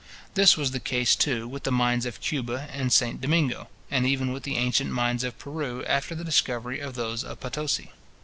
This was the case, too, with the mines of Cuba and St. Domingo, and even with the ancient mines of Peru, after the discovery of those of Potosi.